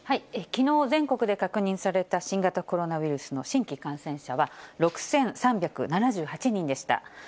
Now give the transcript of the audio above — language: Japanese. きのう、全国で確認された新型コロナウイルスの新規感染者は６３７８人でした。